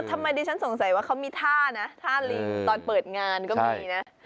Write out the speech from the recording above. ทำไมดิฉันสงสัยว่าเขามีท่านะท่าลิงตอนเปิดงานก็มีนะ